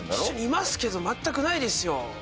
一緒にいますけど全くないですよ